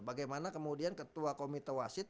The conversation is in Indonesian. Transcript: bagaimana kemudian ketua komite wasit